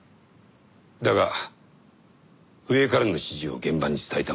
だが上からの指示を現場に伝えたまでの事。